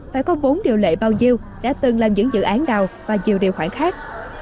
phải có vốn điều lệ bao nhiêu đã từng làm những dự án đào và nhiều điều khoản khác